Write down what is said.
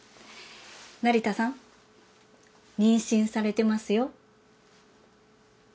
成田さん妊娠されてますよ。